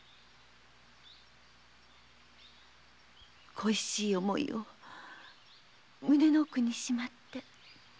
恋しい思いを胸の奥にしまって。